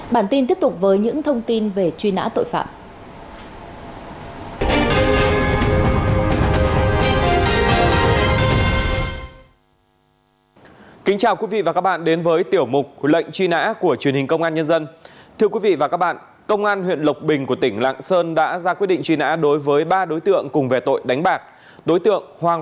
bản tin tiếp tục với những thông tin về truy nã tội phạm